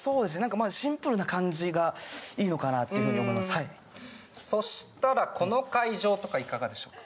まあシンプルな感じがいいのかなっていうふうに思いますはいそしたらこの会場とかいかがでしょうか？